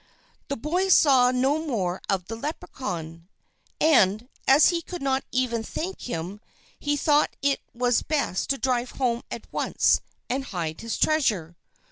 The boy saw no more of the Leprechaun; and as he could not even thank him, he thought that it was best to drive home at once and hide his treasure.